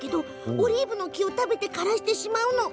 オリーブの木を食べて枯らしてしまうそうよ。